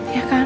sehat ya kan